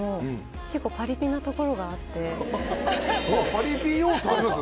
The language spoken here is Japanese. パリピ要素あります？